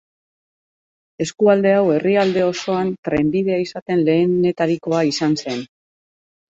Eskualde hau herrialde osoan trenbidea izaten lehenetarikoa izan zen.